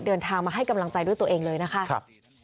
เดินทางมาให้กำลังใจด้วยตัวเองเลยนะคะ